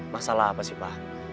masalah apa sih pak